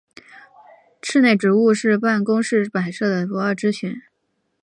室内植物是办公室摆设的不二之选。